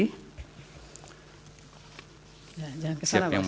ya jangan kesalahan pak